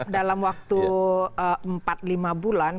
dalam waktu empat lima bulan